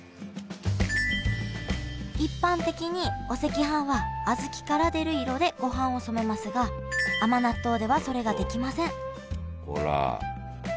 一般的にお赤飯は小豆から出る色でごはんを染めますが甘納豆ではそれができませんほら。